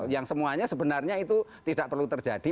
yang semuanya sebenarnya itu tidak perlu terjadi